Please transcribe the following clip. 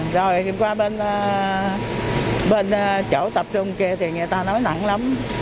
rồi đi qua bên chỗ tập trung kia thì người ta nói nặng lắm